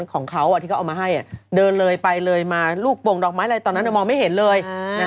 ของเขาที่เขาเอามาให้เดินเลยไปเลยมาลูกโป่งดอกไม้อะไรตอนนั้นมองไม่เห็นเลย